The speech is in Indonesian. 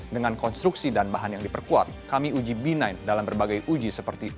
dengan konstruksi dan bahan yang diperkuat kami uji b sembilan dalam berbagai uji seperti